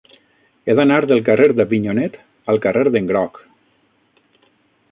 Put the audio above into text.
He d'anar del carrer d'Avinyonet al carrer d'en Groc.